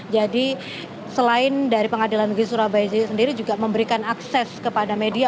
jadi selain dari pengadilan negeri surabaya sendiri juga memberikan akses kepada media